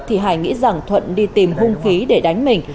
thì hải nghĩ rằng thuận đi tìm hung khí để đánh mình